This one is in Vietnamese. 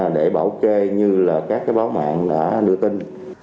để bảo kê như các báo mạng đã nửa tin